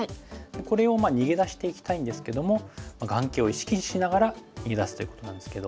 これを逃げ出していきたいんですけども眼形を意識しながら逃げ出すということなんですけど。